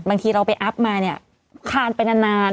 บางทีเราไปอัพมาเนี่ยคานไปนาน